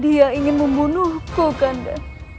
dia ingin membunuhku kanda